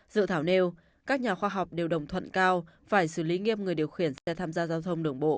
dự thảo nêu các nhà khoa học đều đồng thuận cao phải xử lý nghiêm người điều khiển xe tham gia giao thông đường bộ